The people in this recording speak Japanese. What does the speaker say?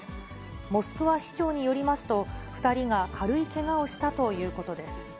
モスクワ市長によりますと、２人が軽いけがをしたということです。